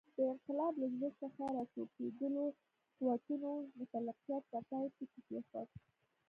د انقلاب له زړه څخه راټوکېدلو قوتونو مطلقیت ته پای ټکی کېښود.